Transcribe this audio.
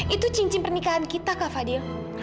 itu cincin pernikahan kita kak fadil